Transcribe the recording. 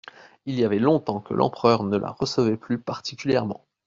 Il y avait long-temps que l'empereur ne la recevait plus particulièrement.